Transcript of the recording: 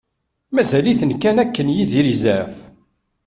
Mazal-iten kan akken Yidir yezɛef.